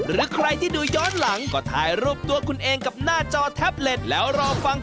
หรือใครที่ดูย้อนหลัง